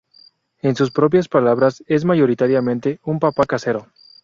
En sus propias palabras, es "mayoritariamente" un papá casero.